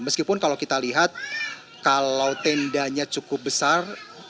meskipun kalau kita lihat kalau tendanya cukup besar